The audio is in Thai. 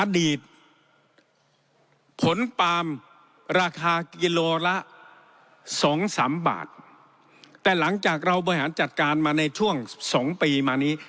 อดีตผลปามราคากิโลละสองสามบาทแต่หลังจากเราบริหารจัดการมาในช่วงสองปีมานี้